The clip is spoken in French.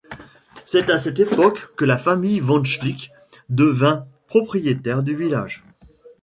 C'est à cette époque que la famille von Schlick devint propriétaire du village.